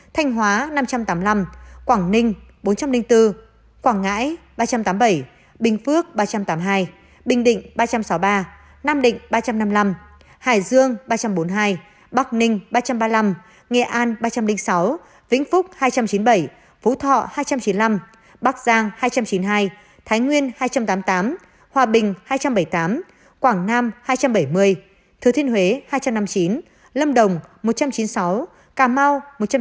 thanh hóa năm trăm tám mươi năm quảng ninh bốn trăm linh bốn quảng ngãi ba trăm tám mươi bảy bình phước ba trăm tám mươi hai bình định ba trăm sáu mươi ba nam định ba trăm năm mươi năm hải dương ba trăm bốn mươi hai bắc ninh ba trăm ba mươi năm nghệ an ba trăm linh sáu vĩnh phúc hai trăm chín mươi bảy phú thọ hai trăm chín mươi năm bắc giang hai trăm chín mươi hai thái nguyên hai trăm tám mươi tám hòa bình hai trăm bảy mươi tám quảng nam hai trăm bảy mươi thứ thiên huế hai trăm năm mươi chín lâm đồng một trăm chín mươi sáu cà mau một trăm chín mươi năm